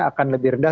akan lebih rendah